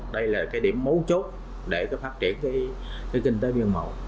đây là cái điểm mấu chốt để có phát triển cái kinh tế biên mậu